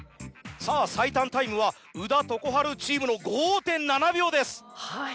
さぁ最短タイムは宇陀・常春チームの５．７秒です。